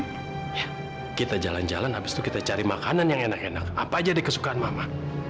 kita jalan jalan habis itu kita cari makanan yang enak enak apa aja di kesukaan mama